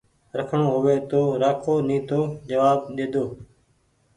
رآکڻو هووي تو رآکو نيتو جوآب ۮيدو